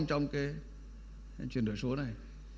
trong cái chuyển đổi số này